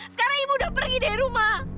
sekarang ibu udah pergi dari rumah